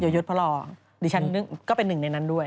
ยศพพระรองดิฉันก็เป็นหนึ่งในนั้นด้วย